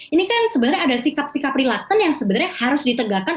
ini kan sebenarnya ada sikap sikap reluten yang sebenarnya harus ditegakkan